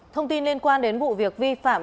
thông tin liên quan đến vụ việc vi phạm